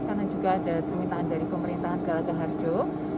karena juga ada permintaan dari pemerintahan gelagah harjo